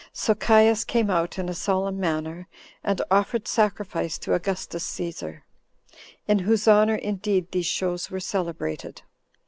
So Caius came out in a solemn manner, and offered sacrifice to Augustus Cæsar, in whose honor indeed these shows were celebrated.